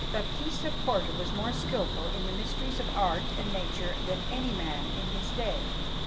Baptista Porta was more skilful in the mysteries of art and nature than any man in his day.